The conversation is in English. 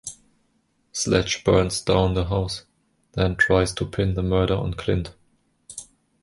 Sledge burns down the house, then tries to pin the murder on Clint.